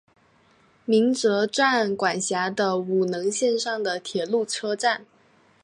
鸣泽站管辖的五能线上的铁路车站。